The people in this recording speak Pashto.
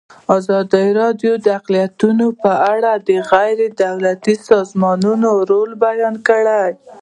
ازادي راډیو د اقلیتونه په اړه د غیر دولتي سازمانونو رول بیان کړی.